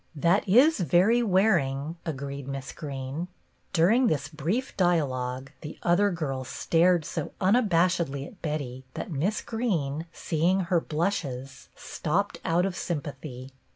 " That is very wearing," agreed Miss Greene. During this brief dialogue the other girls stared so unabashedly at Betty that Miss Greene, seeing her blushes, stopped out of sympathy.